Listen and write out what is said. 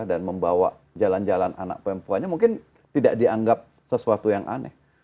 dan membawa jalan jalan anak perempuannya mungkin tidak dianggap sesuatu yang aneh